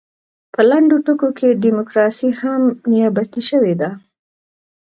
په لنډو ټکو کې ډیموکراسي هم نیابتي شوې ده.